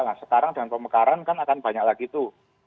nah sekarang dengan pemekaran kan akan banyak lagi tuh